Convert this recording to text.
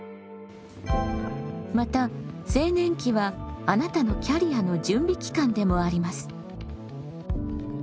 また青年期はあなたのキャリアの準備期間でもあります。